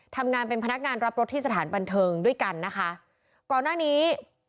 ทำงานเป็นพนักงานรับรถที่สถานบันเทิงด้วยกันนะคะก่อนหน้านี้